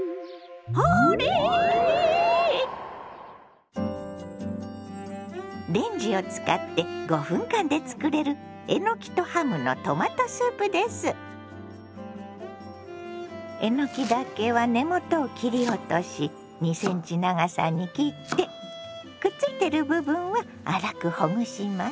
あれ⁉レンジを使って５分間で作れるえのきだけは根元を切り落とし２ｃｍ長さに切ってくっついてる部分を粗くほぐします。